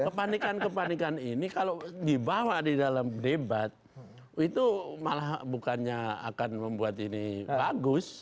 kepanikan kepanikan ini kalau dibawa di dalam debat itu malah bukannya akan membuat ini bagus